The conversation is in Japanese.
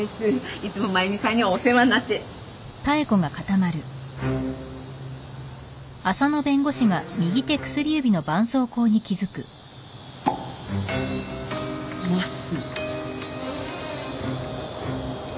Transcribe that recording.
いつも真由美さんにはお世話になって。ます。